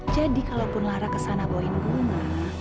jadi kalaupun lara kesana bawa bunga